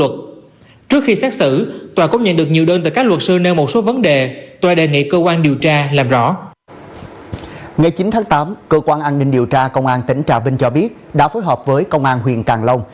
ngày chín tháng tám cơ quan an ninh điều tra công an tỉnh trà vinh cho biết đã phối hợp với công an huyện càng long